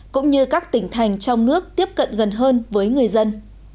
cũng như các tỉnh thành trong nước tiếp cận gần hơn với người dân